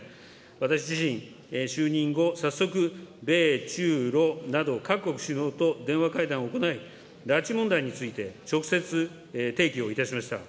私自身、就任後、早速、米中ロなど、各国首脳と電話会談を行い、拉致問題について直接、提起をいたしました。